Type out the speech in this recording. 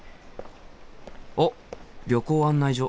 おっ旅行案内所。